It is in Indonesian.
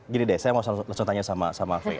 gini deh saya mau contoh contohnya sama faye